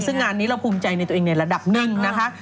ซึ่งงานนี้เราภูมิใจในตัวเองในระดับหนึ่งนะคะ